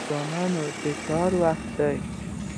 ځواني د کار وخت دی